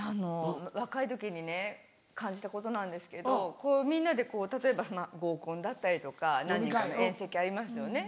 若い時にね感じたことなんですけどみんなでこう例えば合コンだったりとか何人かの宴席ありますよね。